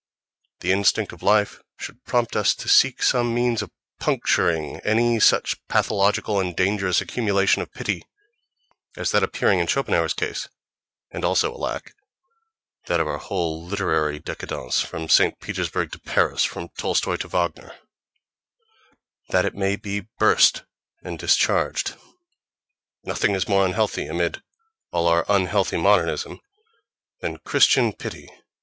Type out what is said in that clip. The instinct of life should prompt us to seek some means of puncturing any such pathological and dangerous accumulation of pity as that appearing in Schopenhauer's case (and also, alack, in that of our whole literary décadence, from St. Petersburg to Paris, from Tolstoi to Wagner), that it may burst and be discharged.... Nothing is more unhealthy, amid all our unhealthy modernism, than Christian pity.